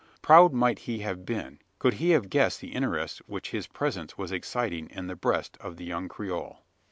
Proud might he have been, could he have guessed the interest which his presence was exciting in the breast of the young Creole.